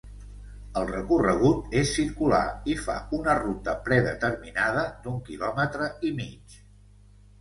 El recorregut és circular i fa una ruta predeterminada d’un quilòmetre i mig.